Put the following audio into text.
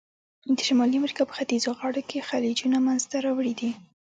د شمالي امریکا په ختیځو غاړو کې خلیجونه منځته راوړي دي.